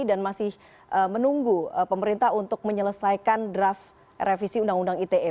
dan masih menunggu pemerintah untuk menyelesaikan draft revisi undang undang ite